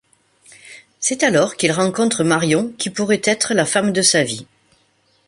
C'est alors qu'il rencontre Marion qui pourrait être la femme de sa vie.